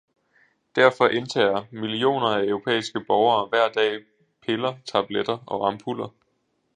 Derfor indtager millioner af europæiske borgere hver dag piller, tabletter og ampuller.